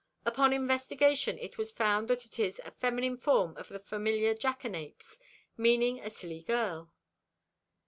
Upon investigation it was found that it is a feminine form of the familiar jackanapes, meaning a silly girl.